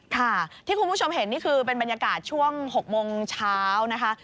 ค่ะที่คุณผู้ชมเห็นนี่คือเป็นบรรยากาศช่วง๖โมงเช้านะคะ